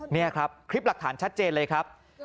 นี่ครับคลิปหลักฐานชัดเจนเลยครับ